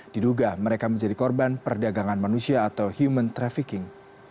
diduga mereka menjadi korban perdagangan manusia atau human trafficking